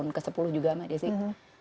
saya sudah tahun ke sepuluh juga sama dia sih